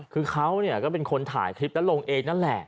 คือเขาก็เป็นคนถ่ายคลิปแล้วลงเองนั่นแหละ